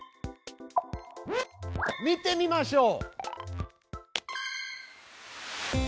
見てみましょう！